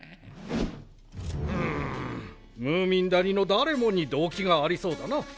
うんムーミン谷の誰もに動機がありそうだな。